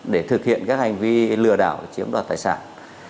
để thực hiện các hành vi lừa đảo chiếm đoạt tài sản